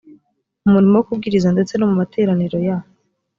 mu murimo wo kubwiriza ndetse no mu materaniro ya